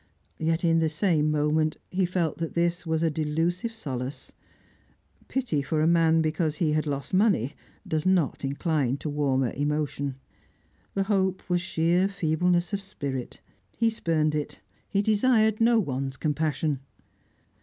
Yet in the same moment he felt that this was a delusive solace. Pity for a man because he had lost money does not incline to warmer emotion. The hope was sheer feebleness of spirit. He spurned it; he desired no one's compassion.